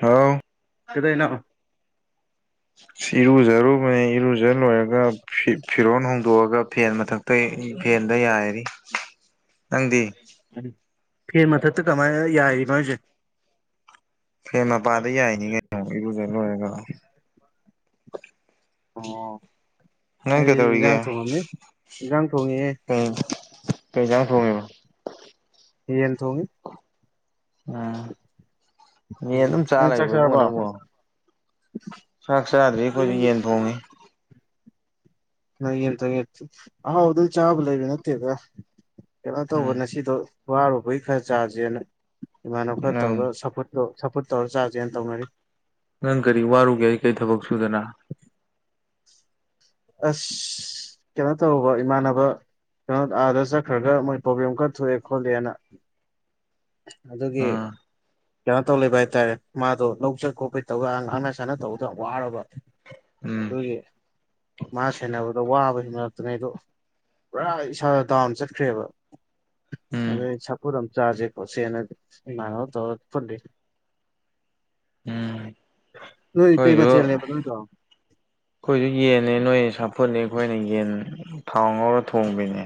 ꯍꯥꯎ ꯀꯗꯩꯅꯣ ꯏꯔꯨꯖꯔ ꯃ ꯏꯔ ꯐꯖꯟ ꯂꯣꯏꯔꯒ ꯐꯤꯔꯣꯟ ꯍꯣꯡꯗꯣꯛꯑꯒ ꯐꯦꯟ ꯃꯊꯛꯇ ꯐꯦꯟꯗ ꯌꯥꯏꯔꯤ [inaudible] ꯅꯪꯗꯤ ꯎꯝ ꯐꯦ ꯃꯊꯛꯇ ꯀꯃꯥꯏꯅ ꯌꯥꯔꯤ ꯃꯣꯏꯁꯦ ꯐꯦ ꯃꯄꯥꯗ ꯌꯥꯏꯅꯤꯉꯩꯅ ꯏꯔꯨꯖ ꯂꯣꯏꯔꯒ ꯑꯣ ꯅꯪ ꯑꯩ ꯀꯩꯗꯧꯔꯤꯒꯦ ꯏꯟꯖꯥꯡ ꯊꯣꯡꯉꯝꯃꯤ ꯏꯟꯖꯥꯡ ꯊꯣꯡꯉꯦ ꯀꯩ ꯍꯦꯟꯖꯥꯡ ꯊꯣꯡꯉꯦꯕ ꯌꯦꯟ ꯊꯣꯡꯉꯤ ꯎꯝ ꯃꯤ ꯎꯝ ꯑꯗꯨꯝ ꯆꯥ ꯅꯪ ꯆꯥꯛ ꯂꯩꯕ ꯏꯕꯨꯡꯉ ꯆꯥꯔꯕꯣ ꯅꯪꯕꯣ ꯁꯥꯥꯛꯁꯗ꯭ꯔꯤ ꯑꯩ ꯈꯨꯣꯏ ꯌꯦꯡꯟ ꯊꯣꯡꯉꯅꯤ ꯅ ꯌꯦꯟ ꯇ ꯌꯦ ꯑꯍꯥꯎꯕꯗꯝ ꯆꯥꯕ ꯂꯩꯕ ꯅꯠꯇꯦꯗ ꯀꯩꯅꯣ ꯎꯝ ꯇꯧꯕꯅ ꯁꯤꯗꯣ ꯋꯥꯔꯨꯕꯩ ꯈꯔ ꯆꯥꯥꯁꯦꯅ ꯏꯃꯥꯟꯅꯕ ꯈꯔ ꯅꯪ ꯇꯧꯔꯒ ꯁꯞꯄꯣꯔꯠ ꯇꯧ ꯁꯞꯄꯣꯔꯠ ꯇꯧꯔ ꯆꯥꯁꯦꯅ ꯇꯧꯅꯔꯤ ꯅꯪ ꯀꯔꯤ ꯋꯥꯔꯨꯒꯦ ꯑꯩ ꯀꯔꯤ ꯊꯕꯛ ꯁꯨꯗꯅ ꯑꯁ ꯀꯩꯅꯣ ꯇꯧꯔꯨꯕ ꯏꯃꯥꯟꯅꯕ ꯀꯩꯅꯣ ꯑꯥꯗ ꯆꯠꯈ꯭ꯔꯒ ꯃꯣꯏ ꯄ꯭ꯔꯣꯕ꯭ꯂꯦꯝ ꯀꯔ ꯊꯣꯛꯑꯦ ꯈꯣꯠꯂꯦꯅ ꯑꯗꯨꯒꯤ ꯑꯥ ꯀꯩꯅꯣ ꯇꯧ ꯂꯩꯕ ꯍꯥꯏꯇꯥꯔꯦ ꯃꯥꯗꯣ ꯂꯧ ꯆꯩ ꯈꯣꯠꯄꯩ ꯇꯧꯔꯒ ꯉꯥꯡꯅ ꯁꯥꯟꯅ ꯇꯧꯕꯗ ꯋꯥꯔꯕ ꯎꯝ ꯑꯗꯨꯒꯤ ꯃꯥ ꯁꯦꯟꯅꯕꯗ ꯋꯥꯕ ꯍꯦꯅꯔꯛꯇ꯭ꯉꯩꯗꯣ ꯄꯨꯔꯥ ꯏꯁꯥꯗ ꯗꯥꯎꯟ ꯆꯠꯈ꯭ꯔꯦꯕ ꯎꯝ ꯑꯗ ꯁꯥꯄꯗꯝ ꯆꯥꯖꯦ ꯄꯁꯤ ꯃꯥꯅ ꯇꯧ ꯐ [unintelligible] ꯎꯝ ꯅ ꯀꯩ ꯑꯩꯈꯣꯏꯁꯨ ꯃꯊꯦꯜꯅꯦꯕꯥ ꯅꯣꯏꯗꯣ ꯑꯩꯈꯣꯏꯁꯨ ꯌꯦꯟꯅꯦ ꯅꯣꯏ ꯁꯥꯐꯨꯠꯅꯦ ꯑꯩꯈꯣꯏꯅ ꯌꯦꯟ ꯊꯥꯎ ꯉꯧꯔ ꯊꯣꯡꯕꯅꯦ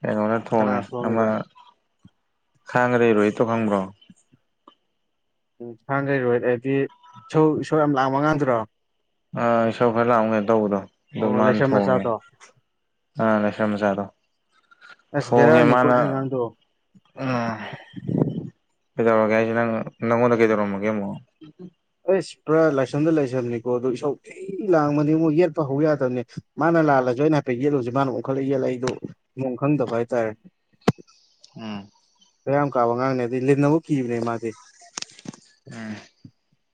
ꯀꯩꯅꯣꯅ ꯀꯅꯥ ꯊꯣꯡꯉꯦ ꯑꯃ ꯊꯣꯡꯉꯤꯕ [unintelligible] ꯇꯣ ꯈꯪꯕ꯭ꯔꯣ ꯎꯝ ꯁꯥꯡꯈꯩꯔꯣꯏ ꯍꯥꯏꯗꯤ ꯁ ꯏꯁꯣꯔ ꯌꯥꯝ ꯂꯥꯡꯕ ꯉꯥꯡꯗꯨꯔꯣ ꯑꯥ ꯏꯁꯧ ꯈꯔ ꯂꯥꯛꯑꯝꯒꯦ ꯇꯧꯕꯗꯣ ꯑꯗꯨ ꯑꯣ ꯃꯥꯅ ꯂꯥꯏꯁ꯭ꯔꯝ ꯊꯣꯡꯉꯦ ꯃꯆꯥꯗꯣ ꯑꯥ ꯂꯩꯥꯏꯁ꯭ꯔꯝ ꯃꯆꯥꯗꯣ ꯑꯁ ꯊꯣꯡꯉꯦ ꯕꯦꯔꯥꯅꯤꯀꯣ ꯃꯥꯅ ꯑꯗꯨꯏ ꯑꯉꯥꯡꯗꯣ ꯎ ꯀꯩꯗꯧꯔꯒꯦ ꯍꯥꯏꯁꯦ ꯅꯪ ꯅꯪꯉꯣꯟꯗ ꯀꯩꯗꯧꯔꯝꯃꯒꯦ ꯑꯃꯛ ꯑꯩꯁ ꯄꯨꯔꯥ ꯂꯥꯏꯁꯔꯝꯗ ꯂꯥꯏꯁꯔꯝꯅꯤꯀꯣ ꯑꯗꯣ ꯏꯁꯧ ꯑꯩ ꯂꯥꯡꯕꯅꯤ ꯑꯃꯨꯛ ꯌꯦꯠꯄ ꯍꯧ ꯌꯥꯗꯕꯅꯦ ꯃꯥꯅ ꯂꯥꯜꯂꯁꯨ ꯑꯩꯅ ꯍꯥꯏꯐꯦꯠ ꯌꯦꯠꯂꯨꯁꯤ ꯃꯥꯅ ꯑꯣꯟꯡꯈꯠꯂ ꯌꯦꯜꯂ ꯑꯩꯗꯣ ꯃ ꯈꯪꯗ ꯐꯥꯏ ꯇꯥꯏꯔꯦ ꯎꯝ ꯀꯌꯥꯝ ꯀꯥꯕ ꯑꯉꯥꯡꯅꯦ ꯑꯗꯨꯗꯤ ꯂꯤꯟꯅꯕꯨ ꯀꯤꯕꯅꯦ ꯃꯥꯗꯤ ꯎꯝ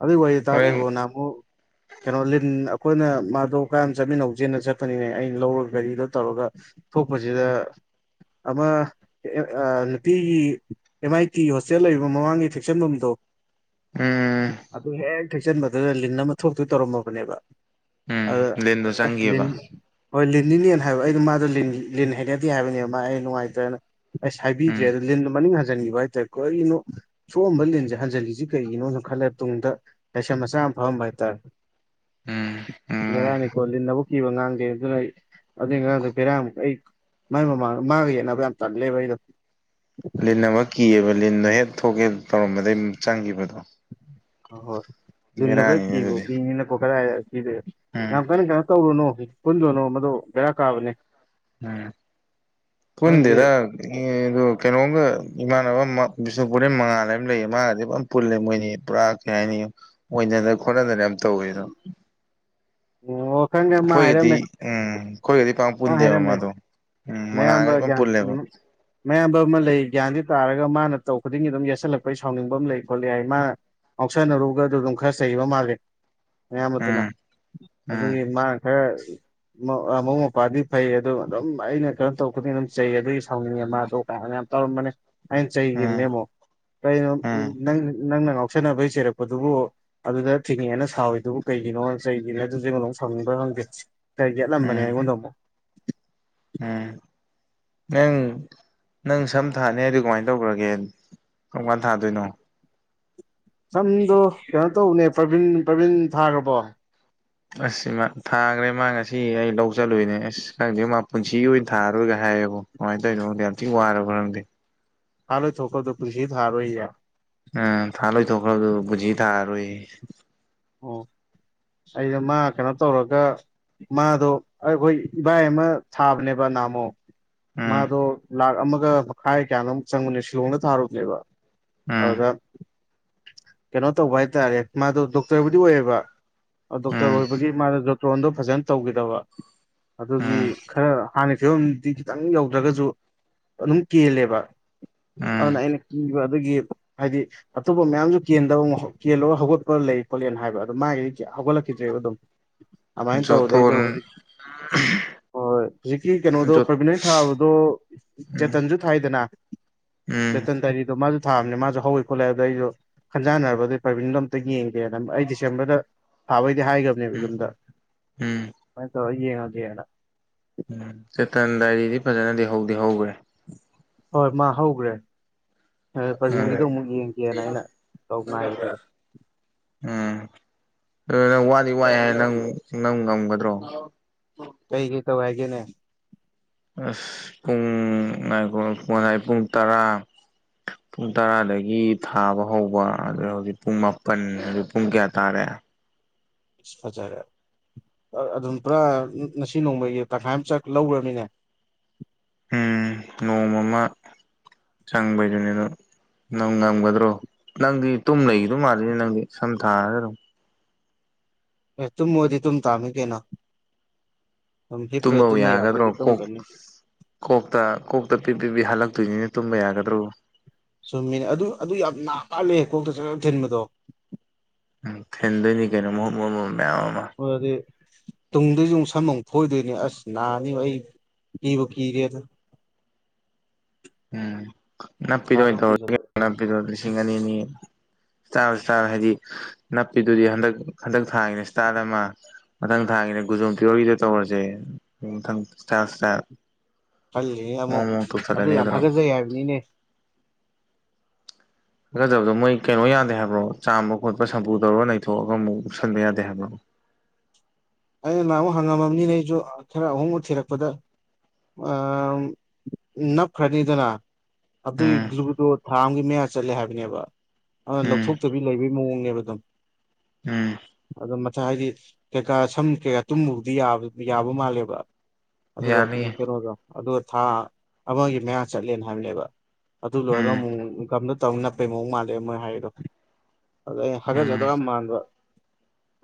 ꯑꯗꯨ ꯑꯣꯏ ꯍꯣꯔꯦꯟ ꯇꯥꯗ꯭ꯔꯤꯕꯣ ꯅꯃꯨ ꯀꯩꯅꯣ ꯂꯤꯟ ꯑꯩꯈꯣꯏꯅ ꯃꯥꯗꯣ ꯀꯝ ꯆꯠꯃꯤꯟꯅꯧꯁꯦꯟꯅ ꯆꯠꯄꯅꯤꯅꯦ ꯑꯩꯅ ꯂꯧꯔꯒ ꯒꯥꯔꯤꯗꯣ ꯇꯧꯔꯒ ꯊꯣꯛꯄꯁꯤꯗ ꯑꯃ ꯅꯨꯄꯤꯒꯤ ꯑꯦꯝ ꯑꯥꯏ ꯇꯤ ꯍꯣꯁꯇꯦꯜ ꯂꯩꯔꯤꯕ ꯃꯃꯥꯡꯒꯤ ꯐꯦꯛꯁꯟꯐꯝꯗꯣ ꯎꯝ ꯑꯗꯨ ꯍꯦꯛ ꯊꯦꯛꯆꯟꯕꯗꯨꯗ ꯂꯤꯟ ꯑꯃ ꯊꯣꯛꯇꯨ ꯇꯧꯔꯝꯃꯕꯅꯦꯕ ꯎꯝ ꯂꯤꯟꯗꯣ ꯆꯪꯒꯤꯑꯕ [unintelligible] ꯍꯣꯏ ꯂꯤꯟꯅꯤꯅꯦꯅ ꯍꯥꯏꯕ ꯑꯩ ꯃꯥꯗ ꯂꯤꯟ ꯍꯩꯒꯗꯦ ꯍꯥꯏꯕꯅꯦꯕ ꯃꯥ ꯑꯩ ꯅꯨꯡꯉꯥꯏꯇ꯭ꯔꯦꯅ ꯑꯁ ꯎꯝ ꯍꯥꯏꯕꯤꯗ꯭ꯔꯦ ꯑꯗꯣ ꯂꯤꯟꯗ ꯃꯅꯤꯡ ꯍꯟꯖꯤꯟꯈꯤꯕ ꯍꯥꯏꯇꯥꯔꯦ ꯀꯔꯤꯅꯣ ꯁꯣꯕ ꯂꯤꯟꯁꯦ ꯍꯟꯖꯤꯜꯂꯤꯁꯤ ꯀꯩꯒꯤꯅꯣ ꯈꯜꯂꯦ ꯇꯨꯡꯗ ꯄꯩꯁꯥ ꯃꯆꯥ ꯑꯃ ꯐꯝꯕ ꯍꯥꯏꯇꯥꯔꯦ ꯎꯝ ꯎꯝ ꯕꯦꯔꯥꯅꯤꯀꯣ ꯂꯤꯟꯅꯕꯧ ꯀꯤꯕ ꯉꯥꯡꯗꯦ ꯑꯗꯨꯅ ꯑꯩ ꯑꯗꯨꯏ ꯉꯥꯡꯗ ꯄꯦꯔꯥꯃꯨꯛ ꯑꯩ ꯃꯥꯏ ꯃꯃꯥꯡ ꯃꯥꯒ ꯌꯦꯟꯅꯅꯕ ꯌꯥꯝ ꯇꯜꯂꯦꯕ ꯑꯩꯩꯅ ꯂꯤꯟ ꯑꯃ ꯀꯤꯑꯕ ꯂꯤꯟꯗꯣ ꯍꯦꯛ ꯊꯣꯛꯀꯦ ꯇꯧꯔꯝꯕꯗꯒꯤꯩ ꯆꯪꯈꯤꯕꯗꯣ ꯍꯣꯏ ꯌꯦꯗꯕ ꯑꯗꯨꯗꯤ ꯀꯣ [unintelligible] ꯀꯗꯥꯏ ꯎꯝ ꯌꯥꯝ ꯀꯟꯅ ꯀꯩꯅꯣ ꯇꯧꯔꯨꯅꯣ ꯄꯨꯜꯂꯨꯅꯣ ꯃꯗꯨ ꯒꯦꯔꯥ ꯀꯥꯕꯅꯦ ꯎꯝ ꯈꯪꯗꯦ ꯄꯨꯟꯗꯦꯗ ꯑ ꯀꯩꯅꯣꯝꯒ ꯏꯃꯥꯟꯅꯕ ꯑꯃ ꯕꯤꯁꯅꯨꯄꯨꯔꯗꯩ ꯃꯉꯥꯜꯂ ꯑꯃ ꯂꯩꯌꯦ ꯃꯥꯒꯗꯤ ꯄꯨ ꯄꯨꯜꯂꯦ ꯃꯣꯏꯅꯤ ꯄꯨꯔꯥ ꯀꯩ ꯍꯥꯏꯅꯤ ꯑꯣꯏꯅꯗꯅ ꯈꯣꯠꯅꯗꯅ ꯌꯥꯝ ꯇꯧꯋꯦ ꯑꯗꯨꯝ ꯑꯣ ꯑꯣ ꯈꯪ ꯈꯦ ꯃꯥ ꯑꯩꯈꯣꯏꯒꯗꯤ ꯍꯥꯏꯔꯝꯃꯦ ꯎꯝ ꯑꯩꯈꯣꯏꯒꯗꯤ ꯄꯥꯛ ꯃꯥ ꯄꯨꯟꯗꯦꯕ ꯍꯥꯏꯔꯝꯃꯦ ꯃꯥꯗꯣ ꯎꯝ ꯃꯌꯥꯝꯕ ꯃꯉꯥꯜꯒꯗꯤ ꯄꯨꯔꯥ ꯒ꯭ꯌꯥꯟ ꯄꯨꯜꯂꯦꯕ ꯃꯌꯥꯝꯕ ꯑꯃ ꯂꯩ ꯒ꯭ꯌꯥꯟꯗꯨ ꯇꯥꯔꯒ ꯃꯥꯅ ꯇꯧ ꯈꯨꯗꯤꯡꯒꯤ ꯑꯗꯨꯝ ꯌꯥꯠꯁꯤꯜꯂꯛꯄꯩ ꯁꯥꯎꯅꯤꯡꯕ ꯑꯃ ꯂꯩ ꯈꯣꯠꯂꯦ ꯍꯥꯏꯏ ꯃꯥꯅ ꯉꯥꯎꯁꯟꯅꯔꯨꯒ ꯑꯗꯨ ꯑꯗꯨꯝ ꯈꯔ ꯆꯩꯕ ꯃꯥꯜꯂꯦ ꯃꯌꯥꯝꯕꯗꯨꯅ ꯎꯝ ꯎꯝ ꯑꯗꯨꯒꯤ ꯃꯥꯥꯅ ꯈꯔ ꯃꯧ ꯃꯧꯕꯨꯛꯄꯥꯗꯤ ꯐꯩ ꯑꯗꯨ ꯑꯗꯨꯝ ꯑꯩꯅ ꯀꯩꯅꯣ ꯇꯧ ꯈꯨꯗꯤꯡ ꯑꯗꯨꯝ ꯆꯩ ꯑꯗꯨꯒꯤ ꯁꯥꯎꯅꯤꯡꯉ ꯃꯗꯣ ꯀꯥꯏꯅ ꯌꯥꯝ ꯇꯧꯔꯝꯕꯅꯦꯅ ꯑꯩꯅ ꯆꯩꯈꯤꯕꯅꯦ ꯎꯝ ꯑꯃꯨꯛ ꯀꯩꯅꯣ ꯎꯝ ꯅꯪ ꯅꯪꯅ ꯉꯥꯎꯁꯤꯟꯅꯕꯩ ꯆꯩꯔꯛꯄꯗꯨꯕꯨ ꯑꯗꯨꯗ ꯊꯤꯡꯉꯦꯅ ꯁꯥꯎꯋꯏꯗꯨꯕꯨ ꯀꯩꯒꯤꯅꯣ ꯆꯩꯒꯤꯝ ꯑꯗꯨꯁꯨ ꯑꯩꯉꯣꯟꯗ ꯑꯄꯨꯛ ꯁꯥꯎꯅꯤꯡꯕ꯭ꯔ ꯈꯪꯗꯦ ꯌꯦꯠꯂꯝꯕꯅꯤ ꯎꯝ ꯑꯩꯉꯣꯟꯗ ꯃꯨꯛ ꯎꯝ [inaudible] ꯅꯪ ꯅꯪ ꯁꯝ ꯊꯥꯅꯤ ꯍꯥꯏꯗꯨ ꯀꯃꯥꯏꯅ ꯇꯧꯈ꯭ꯔꯒꯦ ꯀꯝꯀꯥꯟ ꯊꯥꯗꯣꯏꯅꯣ ꯁꯝꯗꯣ ꯀꯩꯅꯣ ꯇꯧꯕꯅꯦ ꯄ꯭ꯔꯚꯤꯟ ꯄ꯭ꯔꯚꯤꯟ ꯊꯥꯒ꯭ꯔꯕꯣ ꯑꯁ ꯃꯥ ꯊꯥꯒ꯭ꯔꯦ ꯃꯥ ꯉꯁꯤ ꯑꯩ ꯂꯧ ꯆꯠꯂꯨꯏꯅꯦ ꯑꯁ ꯈꯪꯗꯦ ꯃꯥ ꯄꯨꯟꯁꯤꯒꯤ ꯑꯣꯏꯅ ꯊꯥ ꯔꯣꯣꯒ ꯍꯥꯏꯌꯦꯕꯣ ꯀꯃꯥꯏꯅ ꯇꯧꯅꯣ ꯈꯪꯗꯦ ꯌꯥꯝ ꯊꯤ ꯋꯥꯔꯕ ꯈꯪꯗꯦ ꯊꯥ ꯂꯣꯢꯊꯣꯛꯈ꯭ꯔꯕꯗꯣ ꯄꯨꯟꯁꯤꯒꯤ ꯊꯥꯔꯣꯏ ꯌꯦ ꯎꯝ ꯊꯥ ꯂꯣꯏꯊꯣꯛꯈ꯭ꯔ ꯗꯨꯕꯨ ꯄꯨꯟꯁꯤ ꯊꯥꯔꯔꯣꯏꯌꯦ ꯑꯣ ꯑꯩꯩꯁꯨ ꯃꯥ ꯀꯩꯅꯣ ꯇꯧꯔꯒ ꯃꯥꯗꯣ ꯑꯩꯈꯣꯏ ꯏꯕꯥꯏ ꯑꯃ ꯊꯥꯕꯅꯦꯕ ꯅꯥꯍꯃꯣꯛ ꯎꯝ ꯃꯥꯗꯣ ꯂꯥꯛ ꯑꯃꯒ ꯃꯈꯥꯏ ꯀꯌꯥꯅꯣ ꯑꯃꯨꯛ ꯆꯪꯕꯅꯦ ꯁꯤꯂꯣꯡꯗ ꯊꯥꯔꯨꯕꯅꯦꯕ ꯎꯝ ꯑꯗꯨꯗ ꯀꯩꯅꯣ ꯇꯧꯕ ꯍꯥꯏ ꯇꯔꯦ ꯃꯥꯗꯨ ꯗꯣꯛ ꯗꯣꯛꯇꯔꯕꯨꯗꯤ ꯑꯣꯏꯌꯦꯕ ꯗꯣꯛꯇꯔ ꯎꯝ ꯑꯣꯏꯕꯒꯤ ꯃꯥꯗꯣ ꯖꯣꯇꯣꯟꯗꯣ ꯐꯖꯅ ꯇꯧꯈꯤꯗꯕ ꯑꯗꯨꯒꯤ ꯎꯝ ꯈꯔ ꯍꯥꯟꯅꯩ ꯐꯤꯕꯝꯗꯤ ꯈꯤꯇꯪ ꯌꯧꯗ꯭ꯔꯒꯁꯨ ꯑꯗꯨꯝ ꯀꯦꯜꯂꯦꯕ ꯑꯗꯨꯅ ꯑꯩꯅ ꯀꯤꯕ ꯑꯗꯒꯤ ꯍꯥꯏꯗꯤ ꯑꯇꯣꯞꯄ ꯃꯌꯥꯝꯁꯨ ꯀꯦꯟꯗꯕ ꯀꯦꯜꯂꯒ ꯍꯧꯒꯠꯄ ꯂꯩ ꯄꯣꯂꯦꯟ ꯍꯥꯏꯕ ꯑꯗꯨ ꯃꯥꯒꯤꯗꯤ ꯍꯧꯒꯠꯂꯛꯈꯤꯗ꯭ꯔꯦꯕ ꯑꯗꯨꯝ ꯎꯝ ꯑꯗꯨꯃꯥꯏꯅ ꯇꯧꯕꯗꯩꯗꯣ ꯖꯣꯇꯣꯟ ꯍꯧꯖꯤꯛ ꯍꯣꯏ ꯍꯣꯏ ꯍꯧꯖꯤꯛꯀꯤ ꯀꯩꯅꯣꯗꯣ ꯖꯣ ꯄ꯭ꯔꯕꯤꯟ ꯍꯣꯏ ꯊꯥꯕꯗꯣ ꯎꯝ ꯆꯦꯇꯟꯁꯨ ꯊꯥꯏꯗꯅ ꯎꯝ ꯆꯦꯇꯟ ꯗꯥꯢꯔꯤꯗꯣ ꯃꯥꯁꯨ ꯊꯥꯕꯅꯦ ꯃꯥꯁꯨ ꯍꯧꯏ ꯈꯣꯠꯂꯤ ꯍꯥꯢꯕꯗꯨꯗ ꯑꯩꯁꯨ ꯈꯟꯖꯥꯟꯅꯔꯕ ꯑꯗꯨꯢ ꯄ꯭ꯔꯥꯏꯕꯤꯟꯗꯣ ꯑꯝ ꯌꯦꯡ ꯑꯩ ꯗꯤꯁꯦꯝꯕꯔꯗ ꯊꯥꯕꯩꯗꯤ ꯍꯥꯏꯒ꯭ꯔꯕꯅꯦꯕ ꯎꯝ ꯌꯨꯝꯗ ꯎꯝ ꯑꯗꯨꯃꯥꯢ ꯇꯧꯔ ꯌꯦꯡꯉꯒꯦꯅ ꯎꯝ ꯆꯦꯇꯟ ꯗꯥꯏꯔꯤꯗꯤ ꯐꯖꯅꯗꯤ ꯍꯧꯗꯤ ꯍꯧꯕꯅꯤ ꯍꯣꯏ ꯃꯥ ꯍꯧꯈ꯭ꯔꯦ ꯎꯝ ꯄ꯭ꯔꯕꯤꯡꯒꯤꯗꯣ ꯑꯃꯨꯛ ꯌꯦꯡꯒꯦꯅ ꯑꯩꯅ ꯇꯧ ꯉꯥꯏꯕꯅꯤꯗ ꯎꯝ ꯅꯪ ꯋꯥꯗꯤ ꯋꯥꯏ ꯍꯥꯏ ꯅꯪ ꯅꯪ ꯉꯝꯒꯗ꯭ꯔꯣ ꯀꯩ ꯀꯩ ꯇꯧꯏ ꯍꯥꯏꯒꯦꯅꯦ ꯑꯁ ꯄꯨꯡ ꯉꯥꯢꯈꯣ ꯄꯨꯡ ꯇꯔꯥ [inaudible] ꯄꯨꯡ ꯇꯔꯥꯗꯒꯤ ꯊꯥꯕ ꯍꯧꯕ ꯑꯗꯣ ꯍꯧꯖꯤꯛ ꯄꯨꯡ ꯃꯥꯄꯟ ꯍꯧꯖꯤꯛ ꯄꯨꯡ ꯀꯌꯥ ꯇꯥꯔꯦ ꯑꯁ ꯐꯖꯔꯦ ꯑꯗꯨꯝ ꯄꯨꯔꯥ ꯉꯁꯤ ꯅꯣꯡꯃꯒꯤ ꯇꯪꯈꯥꯏ ꯑꯃ ꯆꯠ ꯂꯧꯔꯃꯤꯅꯦ ꯎꯝ ꯅꯣꯡꯃ ꯑꯃ ꯆꯪꯕ ꯗꯨꯅꯤ ꯑꯗꯣ ꯅꯪ ꯉꯝꯒꯗ꯭ꯔꯣ ꯅꯪꯗꯤ ꯇꯨꯝ ꯂꯩꯒꯤꯗꯧ ꯃꯥꯜꯂꯤꯅꯦ ꯅꯪꯗꯤ ꯁꯝ ꯊꯥꯔꯒ ꯑꯗꯨꯝ ꯑꯦ ꯇꯨꯝꯃꯣꯏꯗꯤ ꯇꯨꯝ ꯇꯥꯃꯤ ꯀꯩꯅꯣ ꯑꯗꯨꯨꯝ ꯍꯤꯄ ꯇꯨꯝꯕꯕꯨ ꯇꯨꯝꯕ ꯌꯥꯕꯣꯏꯗꯤ ꯌꯥꯒꯗ꯭ꯔꯣ ꯀꯣꯛ ꯇꯨꯝꯒꯅꯤ ꯀꯣꯛꯇ ꯀꯣꯛꯇ ꯄꯤ ꯄꯤꯕꯤ ꯍꯜꯂꯛꯇꯣꯏꯅꯤꯅ ꯇꯨꯝꯕ ꯌꯥꯒꯗ꯭ꯔꯣ ꯆꯨꯝꯃꯤꯅꯦ ꯑꯗꯨ ꯑꯗꯨ ꯌꯥꯝ ꯅꯥꯥ ꯃꯥꯜꯂꯦ ꯀꯣꯛꯇ ꯊꯤꯟꯕꯗꯣ ꯎꯝ ꯊꯤꯟꯗꯣꯏꯅꯤ ꯀꯩꯅꯣ ꯃꯍꯨꯠ ꯃꯍꯨꯠ ꯃꯍꯨꯠ ꯃꯌꯥꯝ ꯑꯃ ꯑꯗꯨꯗꯤ ꯇꯨꯡꯗꯩꯁꯨ ꯑꯃꯨꯛ ꯁꯝ ꯑꯃꯨꯛ ꯐꯣꯏꯗꯣꯏꯅꯤ ꯑꯁ ꯅꯥꯅꯤꯕꯣ ꯑꯩ ꯀꯤꯕꯨ ꯀꯤꯔꯦꯗꯨ ꯎꯝ ꯅꯞꯄꯤꯗꯣ ꯑꯣꯏꯅ ꯊꯥꯗꯧ ꯇꯧꯔꯁꯤ ꯀꯤꯁꯜꯂꯦ ꯅꯄꯤꯗꯣ ꯂꯤꯁꯤꯡ ꯑꯅꯤ ꯑꯅꯤ ꯏꯁꯇꯥꯔ ꯏꯁꯇꯥꯔ ꯍꯥꯏꯗꯤ ꯅꯞꯄꯤꯗꯨꯗꯤ ꯍꯟꯗꯛ ꯍꯟꯗꯛ ꯊꯥꯒꯤꯅ ꯏꯁꯇꯥꯜ ꯑꯃ ꯃꯊꯪ ꯊꯥꯒꯤꯅ ꯒꯨꯖꯣꯝ ꯄꯤꯌꯣꯔꯒꯤꯗ ꯇꯧꯔꯁꯦ ꯃꯊꯪ ꯏꯁꯇꯥꯏꯜ ꯏꯁꯇꯥꯏꯜ ꯈꯜꯂꯤ ꯑꯃꯨꯛ ꯃꯑꯣꯡ ꯃꯑꯣꯡ ꯑꯗꯨ ꯇꯧꯁꯜꯂꯁꯦ ꯌꯥꯝ ꯀꯩꯗꯧꯔꯒꯦ ꯍꯒꯆꯩ ꯍꯥꯏꯕꯅꯤꯅꯦ ꯍꯒꯖꯕꯗꯣ ꯃꯣꯏ ꯀꯩꯅꯣ ꯌꯥꯗꯦ ꯍꯥꯏꯕ꯭ꯔꯣ ꯆꯥꯝꯕ ꯈꯣꯠꯄ ꯁꯝꯄꯨ ꯇꯧꯔꯒ ꯅꯩꯊꯣꯛꯑꯒ ꯑꯃꯨꯛ ꯎꯨꯞꯁꯟꯕ ꯌꯥꯗꯦ ꯍꯥꯏꯕ꯭ꯔꯣ ꯑꯩꯅ ꯅꯍꯥꯃꯨꯛ ꯍꯪꯉꯝꯃꯕꯅꯤꯅꯦ ꯑꯩꯁꯨ ꯈꯔ ꯑꯍꯣꯡꯕ ꯊꯤꯔꯛꯄꯗ ꯑꯥ ꯅꯞꯈ꯭ꯔꯅꯤꯗꯅ ꯑꯗꯨꯒꯤ ꯎꯝ ꯒ꯭ꯂꯨꯗꯣ ꯊꯥ ꯑꯝꯒꯤ ꯃꯌꯥ ꯆꯠꯂꯦ ꯍꯥꯏꯕꯅꯦꯕ ꯑꯗꯨꯅ ꯎꯝ ꯂꯧꯊꯣꯛꯇꯣꯏ ꯕꯤ ꯂꯩꯕꯩ ꯃꯑꯣꯡꯅꯦꯕ ꯑꯗꯨꯝ ꯎꯝ ꯑꯗꯣ ꯃꯊꯥ ꯍꯥꯏꯗꯤ ꯀꯩꯀꯥ ꯁꯝ ꯀꯩꯀꯥ ꯇꯨꯝꯃꯨꯕꯗꯤ ꯌꯥꯕ ꯌꯥꯕ ꯃꯥꯜꯂꯦꯕ ꯑꯗꯨꯒ ꯌꯥꯅꯤ ꯎꯝ ꯀꯩꯅꯣꯗꯣ ꯑꯗꯣ ꯊꯥ ꯑꯃꯒꯤ ꯃꯌꯥ ꯆꯠꯂꯦꯅ ꯍꯥꯏꯕꯅꯦꯕ ꯑꯗꯨ ꯂꯣꯏꯔꯒ ꯎꯝ ꯑꯃꯨꯛꯃꯨꯛ ꯒꯝꯗꯣ ꯇꯧ ꯅꯞꯄꯩ ꯃꯑꯣꯡ ꯃꯥꯜꯂꯦꯕ ꯃꯣꯏ ꯍꯥꯏꯔꯤꯗꯣ ꯑꯗꯣ ꯑꯩꯅ ꯍꯥꯒꯠꯆꯗꯧ ꯎꯝ ꯌꯥꯝ ꯃꯥꯟꯕ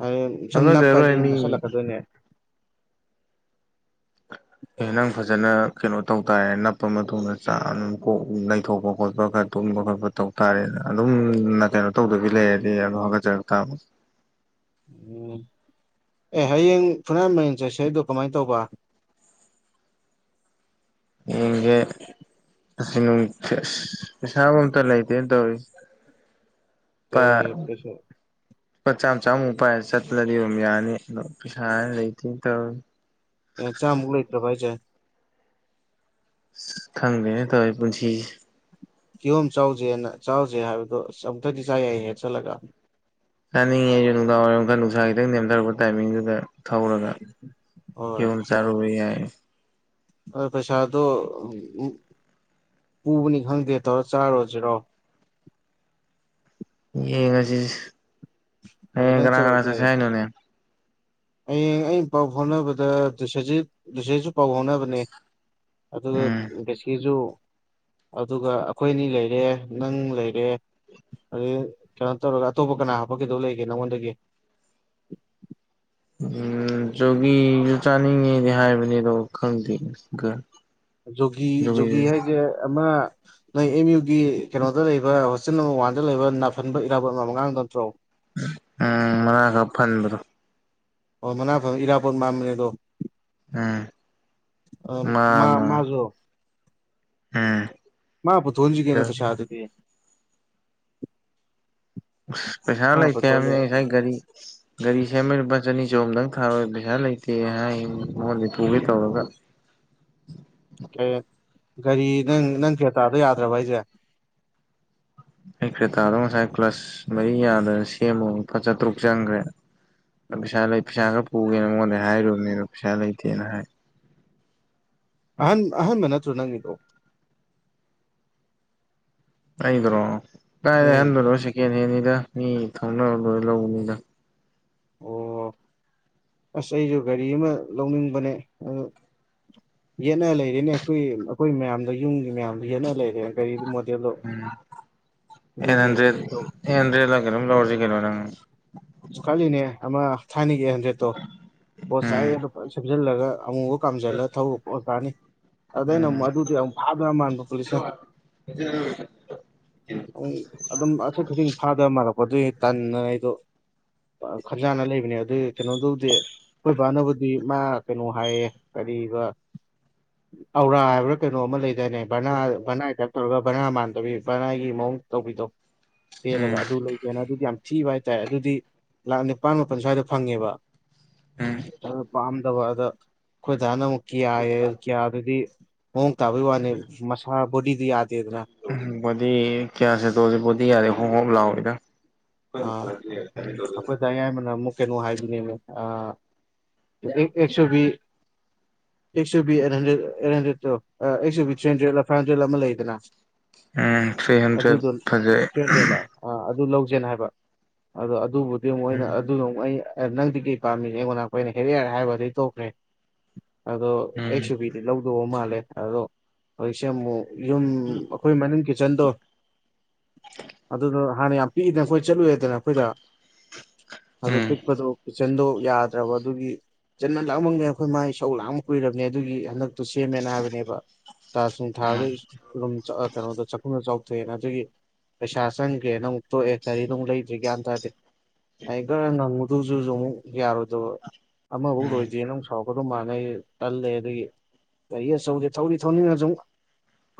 ꯍꯥꯔꯦꯟ ꯁꯨꯝ ꯅꯥꯞꯄꯁꯤ ꯍꯥꯒꯠꯆꯔꯣꯏ ꯑꯗꯨꯨꯝ ꯃꯤ ꯃꯁꯜꯂꯛꯀꯗꯣꯏꯅꯦ ꯑꯦ ꯅꯪ ꯐꯖꯅ ꯀꯩꯅꯣ ꯇꯧ ꯇꯥꯔꯦ ꯅꯞꯄ ꯃꯇꯨꯡꯗ ꯆꯥꯝ ꯀꯣꯛ ꯅꯩꯊꯣꯛꯄ ꯈꯣꯠꯄ ꯈꯔ ꯇꯨꯝꯕ ꯈꯣꯠꯄ ꯇꯧ ꯇꯥꯔꯦꯅ ꯑꯗꯨꯝ ꯀꯩꯅꯣ ꯇꯧꯗꯕꯤ ꯂꯩꯔꯗꯤ ꯑꯗꯨꯝ ꯍꯥꯒꯠꯆꯔꯛ ꯇꯥꯕ ꯎꯝ ꯑꯦ ꯍꯌꯦꯡ ꯐꯨꯅꯥꯟ ꯃꯔꯤꯡ ꯆꯠꯁꯦ ꯍꯥꯏꯗꯣ ꯀꯃꯥꯏꯟ ꯇꯧꯕ [unintelligible] [inaudible] ꯄ ꯀꯩꯁꯨ ꯂꯨꯄꯥ ꯆꯥꯝ ꯆꯥꯝꯃꯨꯛ ꯄꯥꯏꯔ ꯆꯠꯄꯗꯗꯤ ꯑꯗꯨꯝ ꯌꯥꯅꯤ ꯑꯗꯣ ꯄꯩꯁꯥꯖꯤ ꯂꯩꯇꯦꯟ ꯇꯧꯔꯤ ꯑꯦ ꯆꯥꯝꯃꯨꯛ ꯂꯩꯇ꯭ꯔꯕ ꯍꯥꯏꯖꯦ ꯏꯁ ꯈꯪꯗꯦꯅꯦ ꯇꯧꯔꯤ ꯄꯨꯟꯁꯤꯖꯤ ꯀꯤꯍꯣꯝ ꯆꯥꯎꯖꯦꯅ ꯆꯥꯎꯖꯦ ꯍꯥꯏꯕꯗꯣ ꯑꯁ ꯑꯃꯨꯛꯇꯗꯤ ꯆꯥꯏ ꯌꯥꯏꯍꯦ ꯆꯜꯂꯒ ꯆꯥꯅꯤꯡꯉꯦ ꯑꯩꯖꯨ ꯅꯨꯡꯗꯥꯡ ꯋꯥꯏꯔꯝ ꯈꯔ ꯅꯨꯡꯁꯥ ꯈꯤꯇꯪ ꯅꯦꯝꯊꯔꯛꯄ ꯇꯥꯏꯃꯤꯡꯗꯨꯗ ꯊꯧꯔꯒ ꯍꯣꯏ ꯀꯤꯍꯣꯝ ꯆꯥꯔꯨꯕ ꯌꯥꯏ ꯑꯗꯣ ꯄꯩꯁꯥꯗꯣ ꯄꯨꯕꯅꯤ ꯈꯪꯗꯦ ꯇꯧꯔ ꯆꯥꯔꯨꯔꯖꯤꯔꯣ ꯌꯦꯡꯉꯖꯤꯁꯦ ꯍꯌꯦꯡ ꯍꯥꯏꯐꯦꯠꯇꯪ ꯀꯅꯥ ꯀꯅꯥ ꯆꯠꯂꯨꯕꯗꯤ ꯆꯠꯁꯦ ꯌꯥꯏ ꯍꯥꯏꯅꯣꯅꯦ ꯍꯌꯦꯡ ꯑꯩꯅ ꯄꯥꯎ ꯐꯥꯎꯅꯕꯗ ꯗꯨꯁꯥꯖꯤꯠ ꯗꯨꯁꯥꯖꯤꯠꯁꯨ ꯄꯥꯎ ꯐꯥꯎꯅꯕꯅꯦ ꯑꯗꯨꯒ ꯎꯝ ꯕꯦꯁꯤꯖꯨ ꯑꯗꯨꯒ ꯑꯩꯈꯣꯏ ꯑꯅꯤ ꯂꯩꯔꯦ ꯅꯪ ꯂꯩꯔꯦ ꯑꯗꯨꯗꯩ ꯀꯩꯅꯣ ꯇꯧꯔꯒ ꯑꯇꯣꯞꯄ ꯀꯅꯥ ꯍꯥꯞꯄꯛꯈꯤꯗꯧ ꯂꯩꯒꯦ ꯅꯪꯉꯣꯟꯗꯒꯤ ꯎꯝ ꯖꯣꯒꯤꯖꯨ ꯆꯥꯅꯤꯡꯉꯦꯗꯤ ꯍꯥꯏꯕꯅꯤ ꯑꯗꯣ ꯈꯪꯗꯦꯅꯦ ꯒ ꯖꯣꯒꯤ ꯖꯣꯒꯤ ꯍꯥꯏꯖꯦ ꯑꯃ ꯅꯣꯏ ꯑꯦꯝ ꯌꯨꯒꯤ ꯀꯩꯅꯣꯗ ꯂꯩꯕ ꯍꯣꯁꯇꯦꯜ ꯅꯝꯕꯔ ꯋꯥꯟꯗ ꯂꯩꯕ ꯅꯥꯐꯟꯕ ꯏꯔꯥꯕꯣꯠ ꯃꯥꯟꯕ ꯑꯉꯥꯡꯗꯣ ꯅꯠꯇ꯭ꯔꯣ ꯑꯥ ꯃꯥꯅꯥ ꯈꯔ ꯐꯟꯕꯗꯣ ꯑꯣ ꯃꯅꯥ ꯐꯟ ꯏꯔꯥꯕꯣꯠ ꯃꯥꯝꯕꯅꯦ ꯑꯗꯣ ꯎꯝ ꯑ ꯃꯥ ꯃꯥꯖꯨ ꯑꯝ ꯃꯥ ꯄꯨꯊꯣꯟꯍꯟꯖꯤ ꯀꯩꯅꯣ ꯄꯩꯁꯥ ꯑꯗꯨꯗꯤ ꯃꯥ ꯄꯩꯁꯥ ꯂꯩꯇꯦ ꯄꯨꯊꯣꯛꯍꯟꯗꯦ ꯍꯥꯏꯕꯅꯤ ꯉꯁꯥꯏ ꯒꯥꯔꯤ [inaudible] ꯒꯥꯔꯤ ꯁꯦꯝꯕꯩ ꯂꯨꯄꯥ ꯆꯅꯤ ꯆꯍꯨꯝꯗꯪ ꯊꯥꯔꯣꯏ ꯄꯩꯁꯥ ꯂꯩꯇꯦ ꯍꯥꯏ ꯃꯉꯣꯟꯗꯩ ꯄꯨꯒꯦ ꯇꯧꯔꯒ ꯀꯦꯠ ꯒꯥꯔꯤ ꯅꯪ ꯅꯪ ꯀ꯭ꯔꯦꯇꯥꯥꯗꯣ ꯌꯥꯗ꯭ꯔꯕ ꯍꯥꯏꯖꯦ ꯑꯩ ꯀ꯭ꯔꯦꯇꯥꯗꯣ ꯉꯁꯥꯏ ꯀ꯭ꯂꯁ ꯃꯔꯤ ꯌꯥꯗꯗꯅ ꯁꯦꯝꯃꯣ ꯑꯃꯨꯛ ꯂꯨꯄꯥ ꯆꯥꯇꯔꯨꯛ ꯆꯪꯒ꯭ꯔꯦ ꯄꯩꯁꯥ ꯂꯩ ꯄꯩꯁꯥ ꯈꯔ ꯄꯨꯒꯦꯅ ꯃꯉꯣꯟꯗꯩ ꯍꯥꯏꯔꯨꯕꯅꯤ ꯑꯗꯨ ꯄꯩꯁꯥ ꯂꯩꯇꯦꯅ ꯍꯥꯏ ꯑꯍꯟ ꯑꯍꯟꯕ ꯅꯠꯇ꯭ꯔꯣ ꯅꯪꯒꯤꯗꯣ ꯑꯩꯗꯨꯔꯣ ꯀꯥꯏꯗꯩ ꯎꯝ ꯑꯍꯟꯕꯅꯣ ꯁꯦꯀꯦꯟ ꯍꯦꯟꯅꯤꯗ ꯃꯤ ꯊꯧꯅꯕ ꯂꯣꯏꯔ ꯂꯧꯕꯅꯤꯗ ꯑꯣ ꯑꯁ ꯑꯩꯖꯨ ꯒꯥꯔꯤ ꯑꯃ ꯂꯧꯅꯤꯡꯕꯅꯦ ꯑꯗꯨ ꯌꯦꯠꯅ ꯂꯩꯔꯤꯅꯦ ꯑꯩꯈꯣꯏ ꯑꯩꯈꯣꯏ ꯃꯌꯥꯝꯗ ꯌꯨꯝꯒꯤ ꯃꯌꯥꯝ ꯌꯦꯠꯅ ꯂꯩꯔꯦ ꯒꯥꯔꯤꯒꯤ ꯃꯣꯗꯦꯜꯗꯣ ꯑꯗꯨꯒꯤ ꯑꯗꯨ ꯇꯧ ꯑꯦꯠ ꯍꯟꯗ꯭ꯔꯦꯗꯠ ꯀꯩꯅꯣꯝ ꯂꯧꯔꯖꯤ ꯀꯩꯅꯣ ꯅꯪ ꯈꯜꯂꯤꯅꯦ ꯑꯃ ꯊꯥꯏꯅꯒꯤ ꯑꯦꯠ ꯍꯟꯗ꯭ꯔꯦꯗꯠꯇꯣ ꯄꯣꯠ ꯆꯥꯏ ꯎꯝ ꯑꯗꯨ ꯁꯦꯝꯖꯤꯜꯂꯒ ꯑꯃꯨꯃꯨꯛ ꯀꯥꯝꯖꯜꯂ ꯊꯧꯕ ꯄꯣꯁ ꯇꯥꯅꯤ ꯑꯗꯩ ꯑꯩꯅ ꯑꯃꯨꯛ ꯎꯝ ꯑꯗꯨꯗꯤ ꯑꯃꯨꯛ ꯐꯥꯗꯧ ꯌꯥꯝ ꯃꯥꯟꯕ ꯄꯨꯂꯤꯁꯅ [unintelligible] ꯑꯃꯨꯛ ꯑꯗꯨꯝ ꯑꯆꯠ ꯈꯨꯗꯤꯡꯒꯤ ꯐꯥꯗ ꯃꯥꯜꯂꯛꯄ ꯑꯗꯨꯏ ꯑꯩ ꯇꯟꯗꯅ ꯑꯩꯗꯣ ꯄꯥ ꯈꯟꯖꯥꯅ ꯂꯩꯕꯅꯦ ꯑꯗꯨꯒꯤ ꯀꯩꯅꯣꯗꯨꯕꯨꯗꯤ ꯑꯩꯈꯣꯏꯕꯥꯅꯕꯨꯗꯤ ꯃꯥ ꯀꯩꯅꯣ ꯍꯥꯏꯌꯦ ꯀꯔꯤꯕ ꯑꯧꯔꯥ ꯍꯥꯏꯕ꯭ꯔꯥ ꯀꯩꯅꯣ ꯑꯃ ꯂꯩꯗꯥꯏꯅꯦ ꯚꯔꯅꯥ ꯚꯔꯅꯥꯏ ꯇꯥꯏꯌꯦꯞ ꯇꯧꯔꯒ ꯚꯔꯅꯥ ꯃꯥꯟꯗꯕꯤ ꯚꯔꯅꯥꯏꯒꯤ ꯃꯑꯣꯡ ꯇꯧꯕꯤꯗꯣ ꯄꯦꯜꯂꯒ ꯎꯝ ꯑꯗꯨ ꯂꯩꯒꯦꯅ ꯑꯗꯨꯗꯤ ꯌꯥꯝ ꯊꯤꯕ ꯍꯥꯏꯇꯥꯔꯦ ꯑꯗꯨꯗꯤ ꯂꯥꯛ ꯅꯤꯄꯥꯟ ꯃꯥꯄꯜ ꯁ꯭ꯋꯥꯏꯗ ꯐꯪꯉꯦꯕ ꯎꯝ ꯑꯗꯣ ꯄꯥꯝꯗꯕ ꯑꯗ ꯑꯩꯈꯣꯏꯗꯥꯅ ꯑꯃꯨꯛ ꯀꯤꯌꯥꯏ ꯑꯌꯦ ꯀꯤꯌꯥꯗꯨꯗꯤ ꯃꯑꯣꯡ ꯇꯥꯕꯒꯤ ꯋꯥꯅꯦ ꯃꯁꯥ ꯕꯣꯗꯤꯗꯤ ꯌꯥꯗꯦꯗꯅ ꯎꯝ ꯕꯣꯗꯤ ꯀꯌꯥ ꯁꯦꯇꯣꯁꯦ ꯕꯣꯗꯤ ꯌꯥꯗꯦ ꯍꯣꯝ ꯍꯣꯝ ꯂꯥꯎꯋꯤꯗ ꯑꯥ ꯑꯩꯈꯣꯏ ꯗꯥ ꯌꯥꯏꯃꯅ‌ ꯑꯃꯨꯛ ꯀꯩꯅꯣ ꯍꯥꯏꯕꯅꯦꯕ ꯑꯦꯛꯁꯣꯕꯤ ꯑꯦꯛꯁꯨ ꯕꯤ ꯑꯩꯠ ꯍꯟꯗ꯭ꯔꯦꯠ ꯑꯩꯠ ꯍꯟꯗ꯭ꯔꯦꯠꯇꯣ ꯑꯦꯛꯁꯨ B three hundred five hundred ꯑꯃ ꯂꯩꯗꯅ ꯎꯝ ꯊ꯭ꯔꯤ ꯍꯟꯗ꯭ꯔꯦꯠ ꯑꯗꯨꯗꯣ ꯐꯖꯩ ꯊ꯭ꯔꯤ ꯍꯟꯗ꯭ꯔꯦꯠꯂ ꯑꯥ ꯑꯗꯨ ꯂꯧꯁꯦꯅ ꯍꯥꯏꯕ ꯑꯗꯣ ꯑꯗꯨꯕꯨꯗꯤ ꯑꯃꯨ ꯑꯩꯅ ꯎꯝ ꯑꯗꯨ ꯑꯃ ꯑꯩ ꯅꯪꯗꯤ ꯀꯩ ꯄꯥꯝꯃꯤ ꯑꯩꯉꯣꯟꯗ ꯑꯩꯅ ꯍꯦꯔꯤꯌꯥꯔ ꯍꯥꯏꯕꯗꯒꯤ ꯇꯣꯛꯈ꯭ꯔꯦ ꯑꯗꯣ ꯎꯝ ꯑꯦꯛ ꯁꯨꯕꯤꯗꯤ ꯂꯧꯗꯧꯕ ꯃꯥꯜꯂꯦ ꯑꯗꯣ ꯍꯧꯖꯤꯛꯁꯦ ꯑꯃꯨꯛ ꯌꯨꯝ ꯑꯩꯈꯣꯏ ꯃꯅꯤꯡ ꯀꯤꯠꯆꯟꯗꯣ ꯑꯗꯨꯗꯣ ꯍꯥꯟꯅ ꯌꯥꯝ ꯄꯤꯛꯏꯗꯅ ꯑꯩꯈꯣꯏ ꯆꯠꯂꯨꯔꯦꯗꯅ ꯑꯩꯈꯣꯏꯗ ꯑꯗꯨ ꯎꯝ ꯄꯤꯛꯄꯗꯣ ꯀꯤꯠꯆꯟꯗꯣ ꯌꯥꯗ꯭ꯔꯕ ꯑꯗꯨꯒꯤ ꯆꯤꯟꯃꯟ ꯂꯥꯛꯃꯟꯒ꯭ꯔꯦ ꯑꯩꯈꯣꯏ ꯃꯥꯒꯤ ꯁꯧ ꯂꯥꯡꯕ ꯑꯃ ꯀꯨꯏꯔꯕꯅꯦ ꯑꯗꯨꯒꯤ ꯍꯟꯗꯛꯇꯣ ꯁꯦꯝꯃꯦꯅ ꯍꯥꯏꯕꯅꯦꯕ ꯥꯆꯥ ꯁꯨꯡ ꯊꯥꯔꯒ [unintelligible] ꯀꯩꯅꯗ ꯆꯥꯛꯈꯨꯝꯗ ꯆꯥꯎ ꯊꯣꯑꯅ ꯑꯗꯨꯒꯤ ꯄꯩꯁꯥ ꯆꯪꯒ꯭ꯔꯦꯅ ꯑꯃꯨꯛ ꯇꯣꯛꯑꯦ ꯒꯥꯔꯤꯒ ꯑꯃꯨꯛ ꯂꯩꯗ꯭ꯔꯤ ꯒ꯭ꯌꯥꯟ ꯇꯥꯗꯦ ꯑꯩ ꯒꯔ ꯉꯪꯉꯨꯗꯧꯗꯨꯖꯨ ꯑꯃꯨꯛ ꯌꯥꯔꯣꯏꯗꯕ ꯑꯃꯕꯨꯛ ꯎꯝ ꯎꯝ ꯂꯣꯏꯗꯔꯤꯅ ꯁꯥꯎꯒꯗꯕ ꯃꯥꯟꯂꯦ ꯑꯩ ꯇꯜꯂꯦ ꯑꯗꯨꯒꯤ ꯒꯥꯔꯤ ꯑꯆꯧꯕꯗꯤ ꯊꯧꯗꯤ ꯊꯧꯅꯤꯡꯉꯥ ꯁꯨꯝ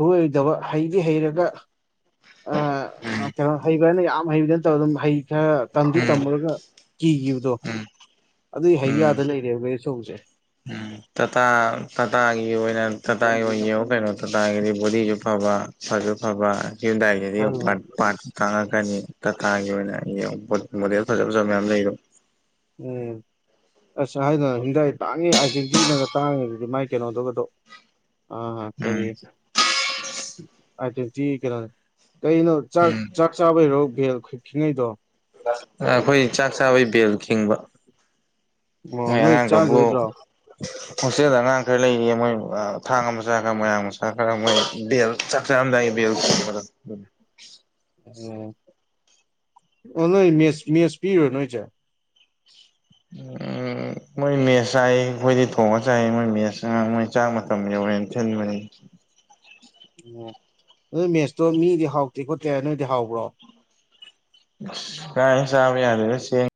ꯈꯨꯂꯣꯏꯗꯕ ꯍꯩꯗꯤ ꯍꯩꯔꯒ ꯑꯥ ꯀꯩꯅꯣ ꯍꯩꯕꯅ ꯌꯥꯝ ꯍꯩꯕꯗꯤ ꯅꯠꯇꯕ ꯑꯗꯨꯝ ꯍꯩ ꯈꯔ ꯇꯝꯖꯨ ꯎꯝ ꯎꯝ ꯇꯝꯃꯨꯔꯒ ꯀꯤꯒꯤꯕꯗꯣ ꯑꯗꯨꯏ ꯍꯥꯏꯌꯨ ꯎꯝ ꯌꯥꯗꯅ ꯂꯩꯔꯦꯕ ꯒꯥꯔꯤ ꯑꯆꯧꯕꯖꯦ ꯇꯥꯇꯥ ꯇꯥꯇꯥꯒꯤ ꯑꯣꯏꯅ ꯇꯥꯇꯥꯒꯤ ꯑꯣꯏꯅ ꯌꯦꯡꯉꯨ ꯀꯩꯅꯣ ꯇꯥꯇꯥꯒꯤꯗꯤ ꯕꯣꯗꯤꯖꯨ ꯐꯕ ꯐꯖꯨ ꯐꯕ ꯍꯌꯨꯟꯗꯥꯏ ꯔꯦꯗꯤꯑꯣ ꯈꯪꯗꯦ ꯄꯥꯔ꯭ꯠ ꯄꯥꯔ꯭ꯠ ꯇꯥꯡꯉꯛꯀꯅꯤ ꯇꯥꯇꯥꯒꯤ ꯑꯣꯏꯅ ꯌꯦꯡꯉꯣ ꯃꯣꯗꯦꯜ ꯐꯖꯥ ꯐꯖꯕ ꯃꯌꯥꯝ ꯂꯩꯔꯝꯃꯦ ꯎꯝ ꯑꯁ ꯍꯥꯏꯗꯅ ꯍꯤꯟꯗꯥꯏ ꯇꯥꯡꯉꯦ ꯑꯥꯏꯇꯋ꯭ꯦꯟꯇꯤꯅꯒ ꯇꯥꯡꯉꯤꯖꯤꯗꯤ ꯃꯥꯏ ꯀꯩꯅꯣꯗꯨꯒꯗꯣ ꯑꯥ ꯀꯥꯔꯤ ꯎꯝ ꯑꯥꯏ ꯇ꯭ꯋꯦꯟꯇꯤ ꯀꯩꯅꯣꯗꯣ ꯀꯩꯅꯣ ꯆꯥꯛ ꯎꯝ ꯆꯥꯛ ꯆꯥꯕꯩꯔꯣ ꯚꯦꯜ ꯈꯤꯉꯩꯗꯣ ꯑꯩꯈꯣꯏ ꯆꯥꯛ ꯆꯥꯕꯩ ꯕꯦꯜ ꯈꯤꯡꯕ ꯑꯣ ꯃꯣꯏ ꯅꯣꯏ ꯑꯉꯥꯡ ꯀꯥꯡꯕꯨ ꯆꯥꯒꯤꯔꯣꯏꯗ꯭ꯔꯣ ꯍꯣꯁꯇꯦꯜꯗ ꯑꯉꯥꯡ ꯈꯔ ꯂꯩꯔꯤ ꯃꯣꯏ ꯊꯥꯡꯒ ꯃꯆꯥ ꯈꯔ ꯃꯣꯔꯥꯡ ꯃꯆꯥ ꯈꯔ ꯃꯣꯏ ꯕꯦꯜ ꯆꯥꯛ ꯆꯔꯝꯗꯥꯏ ꯕꯦꯜ ꯈꯤꯡꯕꯗꯣ ꯑꯣ ꯑꯣ ꯅꯣꯏ ꯃꯦꯁ ꯃꯦꯁ ꯄꯤꯔꯣ ꯅꯣꯏꯁꯦ [inaudible] ꯎꯝ ꯃꯣꯏ ꯃꯦꯠꯁ ꯆꯥꯏ ꯑꯩꯈꯣꯏꯗꯤ ꯊꯣꯡꯉꯥ ꯆꯥꯏ ꯃꯣꯏ ꯃꯦꯠꯁ ꯃꯣꯏ ꯆꯥꯛ ꯃꯇꯝ ꯌꯧꯔꯦꯅ ꯊꯤꯟꯕꯅꯤ ꯑꯣ ꯑꯗꯨ ꯃꯦꯠꯁꯇꯣ ꯃꯤꯗꯤ ꯍꯥꯎꯇꯦ ꯈꯣꯠꯇꯦ ꯍꯥꯏ ꯅꯣꯏꯗꯤ ꯍꯥꯎꯕ꯭ꯔꯣ ꯀꯥꯏꯗꯩ ꯆꯥꯕ ꯌꯥꯗꯦꯗ ꯆꯦꯡ